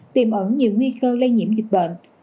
tìm ẩn nhiều nguy cơ lây nhiễm dịch bệnh